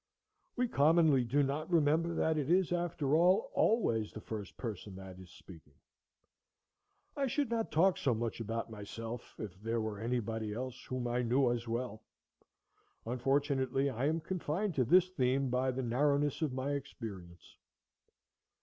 We commonly do not remember that it is, after all, always the first person that is speaking. I should not talk so much about myself if there were anybody else whom I knew as well. Unfortunately, I am confined to this theme by the narrowness of my experience.